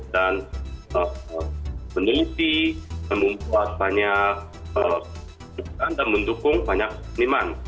dan meneliti dan membuat banyak pertunjukan dan mendukung banyak peniman